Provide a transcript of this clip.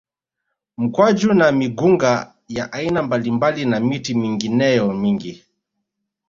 Mkwaju na migunga ya aina mbalimbali na miti mingineyo mingi